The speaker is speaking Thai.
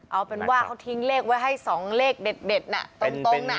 เอาเป็นว่าเขาทิ้งเลขไว้ให้๒เลขเด็ดน่ะตรงน่ะ